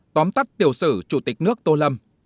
tóm tắt tiểu sử chủ tịch nước tô lâm